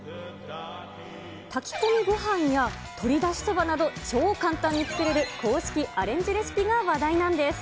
炊き込みごはんや、鶏だしそばなど、超簡単に作れる公式アレンジレシピが話題なんです。